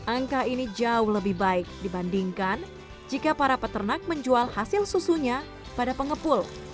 angka ini jauh lebih baik dibandingkan jika para peternak menjual hasil susunya pada pengepul